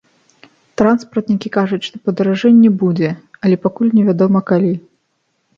Транспартнікі кажуць, што падаражэнне будзе, але пакуль невядома калі.